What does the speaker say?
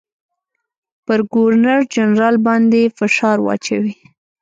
پر ګورنرجنرال باندي فشار واچوي.